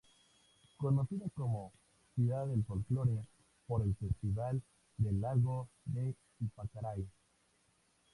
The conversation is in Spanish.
Conocida como "Ciudad del Folklore", por el Festival del lago de Ypacaraí.